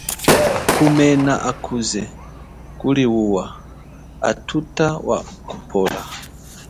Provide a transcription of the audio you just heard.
Kumena akuze kuliwuwa uthuta wa kupola.